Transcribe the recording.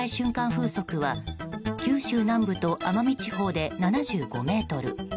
風速は九州南部と奄美地方で７５メートル